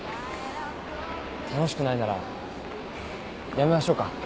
楽しくないならやめましょうか？